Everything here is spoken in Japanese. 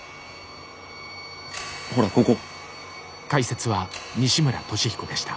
ほらここ。